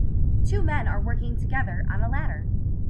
Two men are working together on a ladder.